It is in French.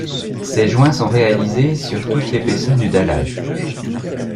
Ces joints sont réalisés sur toute l'épaisseur du dallage.